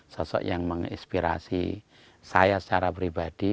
sosok yang menginspirasi saya secara pribadi